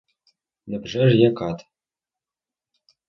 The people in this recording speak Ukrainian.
Невже ж я кат?